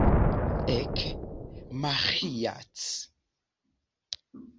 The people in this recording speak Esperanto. Ek, Maĥiac!